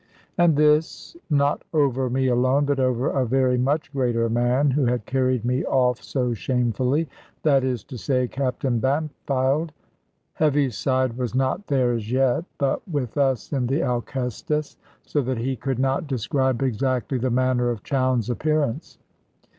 And this, not over me alone, but over a very much greater man, who had carried me off so shamefully that is to say, Captain Bampfylde. Heaviside was not there as yet, but with us in the Alcestis, so that he could not describe exactly the manner of Chowne's appearance.